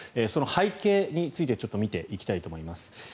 その背景についてちょっと見ていきたいと思います。